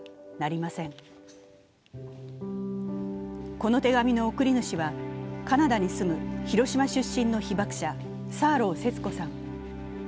この手紙の送り主は、カナダに住む広島出身の被爆者、サーロー節子さん。